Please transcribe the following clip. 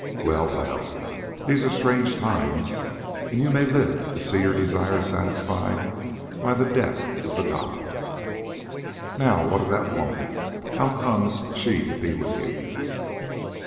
Well, well, these are strange times, and you may live to see your desire satisfied by the death of the god. Now, what of that woman? How comes she to be with you?"